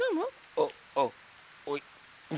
あっあっはい。